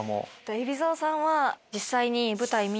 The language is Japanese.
海老蔵さんは。